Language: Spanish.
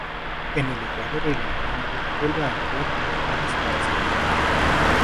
En el ecuador el Alejandro vuelve al puerto de Cádiz por hacer agua.